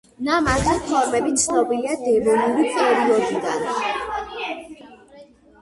ნამარხი ფორმები ცნობილია დევონური პერიოდიდან.